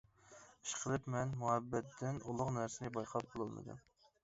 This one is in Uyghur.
ئىشقىلىپ مەن مۇھەببەتتىن ئۇلۇغ نەرسىنى بايقاپ بولالمىدىم.